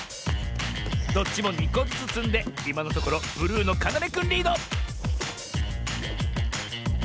⁉どっちも２こずつつんでいまのところブルーのかなめくんリード！